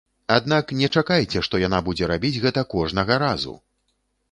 Аднак не чакайце, што яна будзе рабіць гэта кожнага разу!